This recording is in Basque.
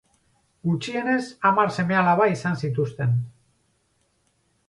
Gutxienez hamar seme-alaba izan zituzten.